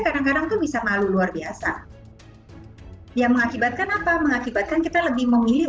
kadang kadang tuh bisa malu luar biasa ya mengakibatkan apa mengakibatkan kita lebih memilih